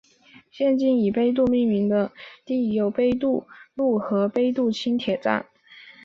现今以杯渡命名的地有杯渡路和杯渡轻铁站。